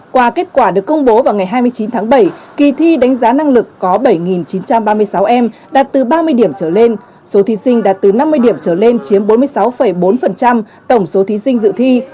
qua kết quả được công bố vào ngày hai mươi chín tháng bảy kỳ thi đánh giá năng lực có bảy chín trăm ba mươi sáu em đạt từ ba mươi điểm trở lên số thí sinh đạt từ năm mươi điểm trở lên chiếm bốn mươi sáu bốn tổng số thí sinh dự thi